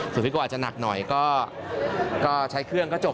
ส่วนพี่โกอาจจะหนักหน่อยก็ใช้เครื่องก็จบ